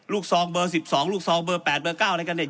ซองเบอร์๑๒ลูกซองเบอร์๘เบอร์๙อะไรกันเนี่ย